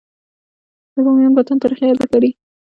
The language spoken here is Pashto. د بامیانو بتان تاریخي ارزښت لري.